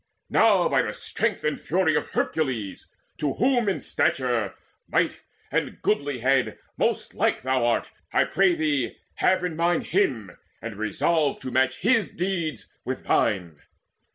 Now, by the strength and fury of Hercules To whom in stature, might, and goodlihead Most like thou art I pray thee, have in mind Him, and resolve to match his deeds with thine.